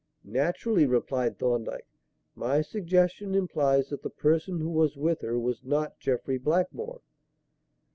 "Naturally," replied Thorndyke, "my suggestion implies that the person who was with her was not Jeffrey Blackmore."